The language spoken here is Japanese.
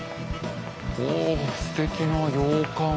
おすてきな洋館。